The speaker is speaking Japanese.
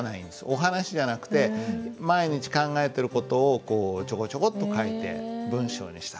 お話じゃなくて毎日考えてる事をこうちょこちょこっと書いて文章にした。